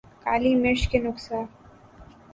کالی مرچ کے نقصا